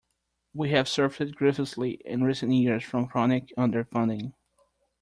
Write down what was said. We have suffered grievously in recent years from chronic underfunding.